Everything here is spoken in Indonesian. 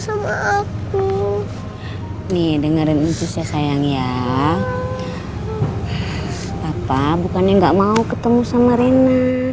sama aku nih dengerin itu sayang ya papa bukannya nggak mau ketemu sama rena